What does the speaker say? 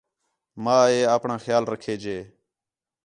ماں ہِے آپݨاں خیال رکھے ڄے